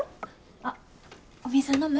あっお水う飲む？